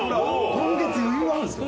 今月余裕あるんすよ。